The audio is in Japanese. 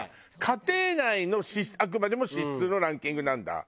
家庭内のあくまでも支出のランキングなんだ。